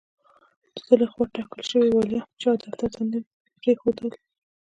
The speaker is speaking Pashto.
د ده له خوا ټاکل شوي والیان چا دفتر ته پرې نه ښودل.